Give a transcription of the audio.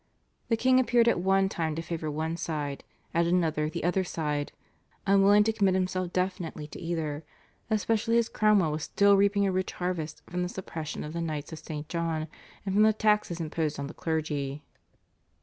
The king appeared at one time to favour one side, at another the other side, unwilling to commit himself definitely to either, especially as Cromwell was still reaping a rich harvest from the suppression of the Knights of St. John and from the taxes imposed on the clergy.